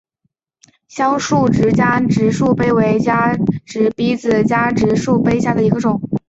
香叶树加植节蜱为节蜱科子加植节蜱属下的一个种。